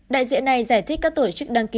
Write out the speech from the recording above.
đại diện này giải thích các tổ chức đăng ký